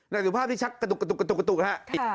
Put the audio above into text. นักสุภาพที่ชักกระตุกนะครับ